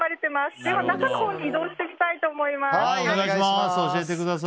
では、中のほうに移動してみたいと思います。